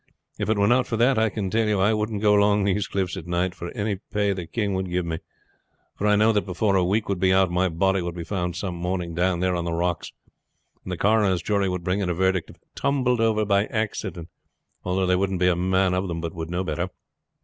If it were not for that, I can tell you, I wouldn't go along these cliffs at night for any pay the king would give me; for I know that before a week would be out my body would be found some morning down there on the rocks, and the coroner's jury would bring in a verdict of tumbled over by accident, although there wouldn't be a man of them but would know better."